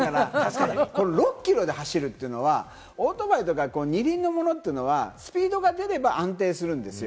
６キロで走るというのはオートバイとか二輪のものはスピードが出れば安定するんですよ。